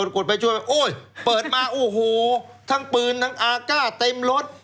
กดไปช่วยไปโอ้ยเปิดมาโอ้โหทั้งปืนทั้งอากาศเต็มรถ